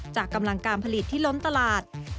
กำลังการผลิตที่ล้นตลาด